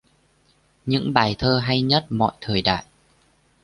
nhung bai tho hay nhat moi thoi dai